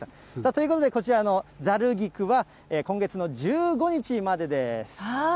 ということで、こちら、ざる菊は、今月の１５日までです。